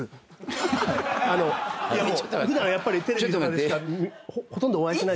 普段やっぱりテレビとかでしかほとんどお会いしない。